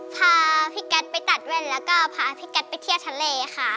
พาพี่กัสไปตัดแว่นแล้วก็พาพี่กัสไปเที่ยวทะเลค่ะ